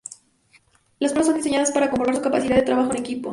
Las pruebas son diseñadas para comprobar su capacidad de trabajo en equipo.